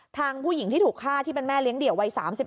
ผู้หญิงที่ถูกฆ่าที่เป็นแม่เลี้ยเดี่ยววัย๓๔